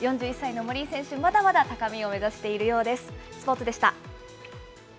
４１歳の森井選手、まだまだ高みを目指しているようです。